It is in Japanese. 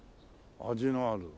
味のある。